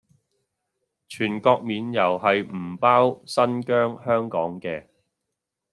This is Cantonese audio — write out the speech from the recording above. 全國免郵係唔包新疆香港嘅